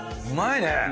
うまいね。